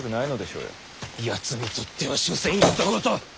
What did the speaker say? やつにとっては所詮ひと事。